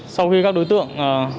sau khi các đối tượng